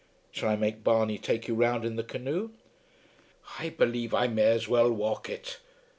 "Shall I make Barney take you round in the canoe?" "I believe I may as well walk it.